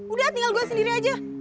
udah tinggal gue sendiri aja